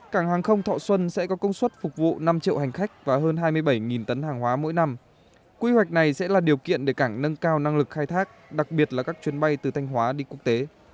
cảng hàng không thọ xuân đã đáp ứng được điều kiện cất và hạ cánh cho nhiều loại máy bay kể cả máy bay thọ xuân đến thành phố hồ chí minh cần thơ nha trang buôn mê thuột đà lạt và đà lạt